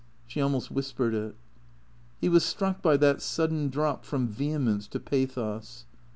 She almost whispered it. He was struck by that sudden drop from vehemence to pathos.